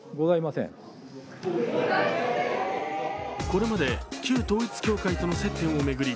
これまで旧統一教会との接点を巡り